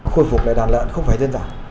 khôi phục lại đàn lợn không phải dân dạng